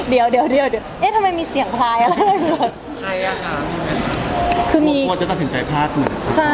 เอ้าผู้หญิงมีแฟนใหม่แล้วล่ะค่ะ